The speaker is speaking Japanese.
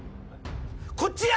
こっちや！